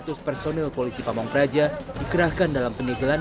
sebanyak tiga ratus personil polisi pamungkeraja dikerahkan dalam penyegelan